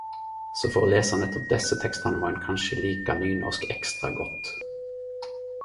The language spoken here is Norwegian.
Så for å lese nettopp desse tekstane må ein kanksje like nynorsk ekstra godt?